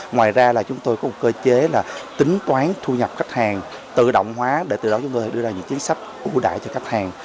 ngoài ra là chúng tôi có một cơ chế là tính toán thu nhập khách hàng tự động hóa để từ đó chúng tôi đưa ra những chính sách ưu đại cho khách hàng